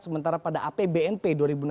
sementara pada apbnp dua ribu enam belas